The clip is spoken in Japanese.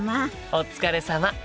お疲れさま！